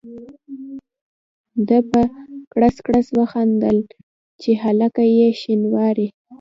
ده په کړس کړس وخندل چې هلکه یې شینواری.